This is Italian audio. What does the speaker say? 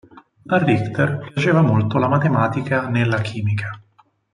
A Richter piaceva molto la matematica nella chimica.